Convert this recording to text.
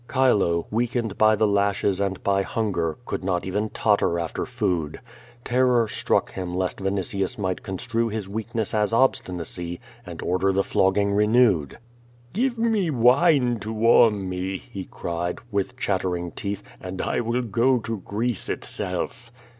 Chilo, weakened by the lashes and by hunger, could not even totter after food. Terror struck him lest Yinitius might constnie his weakness as obstinacy and order the flogging renewed. "Give me wine to warm me," he cried, with chattering tectli, "and I will go to Greece itself."